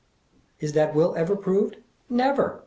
Is that will ever proved? Never!